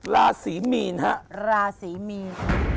ลาศรีมีนค่ะลาศรีมีน